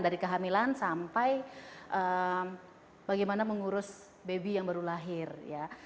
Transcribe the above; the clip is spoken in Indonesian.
dari kehamilan sampai bagaimana mengurus baby yang baru lahir ya